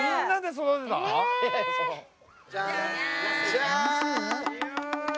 じゃーん！